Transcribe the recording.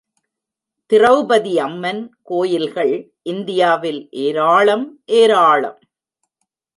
திரெளபதியம்மன் கோயில்கள் இந்தியாவில் ஏராளம் ஏராளம்.